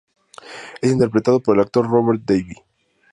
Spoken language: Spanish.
Es interpretado por el actor Robert Davi.